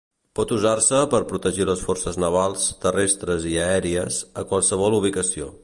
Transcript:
Pot usar-se per protegir las forces navals, terrestres i aèries a qualsevol ubicació.